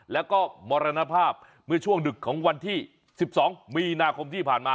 แล้วก็มรณภาพเมื่อช่วงดึกของวันที่๑๒มีนาคมที่ผ่านมา